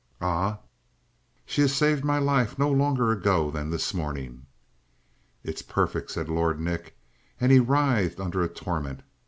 "Ah?" "She has saved my life no longer ago than this morning." "It's perfect," said Lord Nick. And he writhed under a torment.